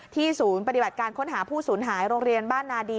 ศูนย์ปฏิบัติการค้นหาผู้สูญหายโรงเรียนบ้านนาดี